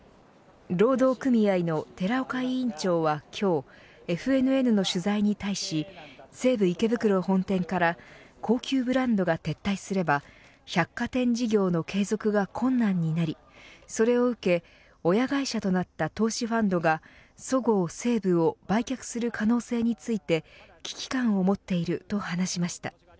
労働組合の寺岡委員長は今日ＦＮＮの取材に対し西武池袋本店から高級ブランドが撤退すれば百貨店事業の継続が困難になりそれを受け親会社となった投資ファンドがそごう・西武を売却する可能性について危機感を持っていると話しました。